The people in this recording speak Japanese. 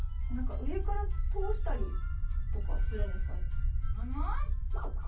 なんか上から通したりとかするんですかね？